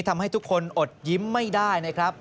ทำให้ทุกคนอดยิ้มไม่ได้นะครับ